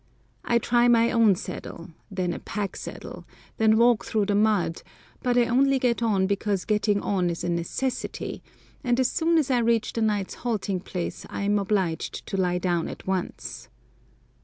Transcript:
I try my own saddle, then a pack saddle, then walk through the mud; but I only get on because getting on is a necessity, and as soon as I reach the night's halting place I am obliged to lie down at once.